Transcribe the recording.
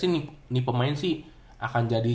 ini pemain sih akan jadi